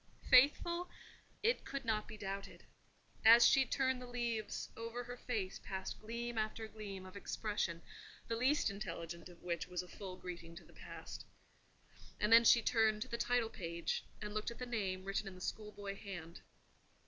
Faithful? It could not be doubted. As she turned the leaves, over her face passed gleam after gleam of expression, the least intelligent of which was a full greeting to the Past. And then she turned to the title page, and looked at the name written in the schoolboy hand.